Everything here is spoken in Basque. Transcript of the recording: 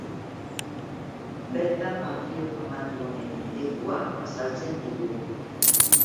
Bertan, banpiro famatu honen mendekua azaltzen digu.